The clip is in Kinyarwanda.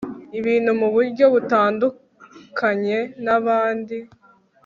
ibintu muburyo butandukanye nabandi